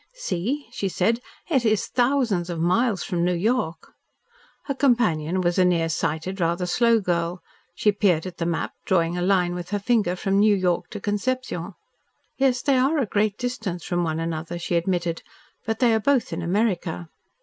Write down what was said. "See," she said. "It is thousands of miles from New York." Her companion was a near sighted, rather slow girl. She peered at the map, drawing a line with her finger from New York to Concepcion. "Yes, they are at a great distance from one another," she admitted, "but they are both in America."